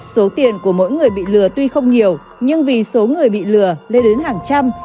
số tiền của mỗi người bị lừa tuy không nhiều nhưng vì số người bị lừa lên đến hàng trăm